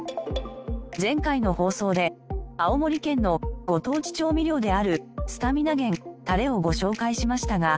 前回の放送で青森県のご当地調味料であるスタミナ源たれをご紹介しましたが。